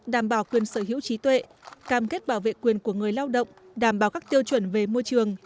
đảm bảo quyền sở hữu trí tuệ cam kết bảo vệ quyền của người lao động đảm bảo các tiêu chuẩn về môi trường